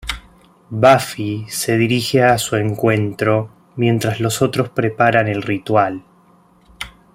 Buffy se dirige a su encuentro mientras los otros preparan el ritual.